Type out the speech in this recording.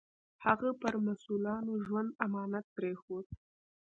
هغه پر مسوولانه ژوند امانت پرېښود.